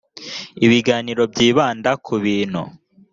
ibiganiro byibanda ku bintu